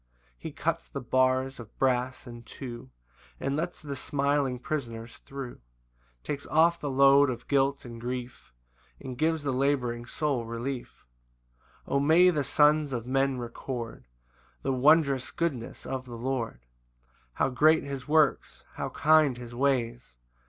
5 He cuts the bars of brass in two, And lets the smiling prisoners thro'; Takes off the load of guilt and grief, And gives the labouring soul relief. 6 O may the sons of men record The wondrous goodness of the Lord! How great his works! how kind his ways!